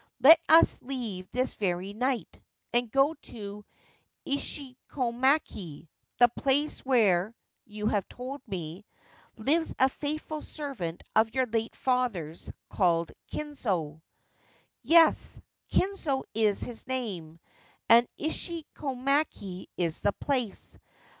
Let us leave this very night, and go to Ishinomaki, the place where (you have told me) lives a faithful servant of your late father's, called Kinzo/ ' Yes : Kinzo is his name, and Ishinomaki is the place.